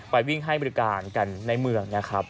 ไปวิ่งให้บริการกันในเมืองนะครับ